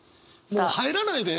もう入らないで！